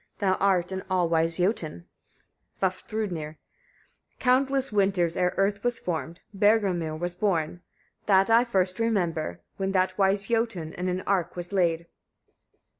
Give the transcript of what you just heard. Thou art an all wise Jötun. Vafthrûdnir. 35. Countless winters, ere earth was formed, Bergelmir was born. That I first remember, when that wise Jötun in an ark was laid.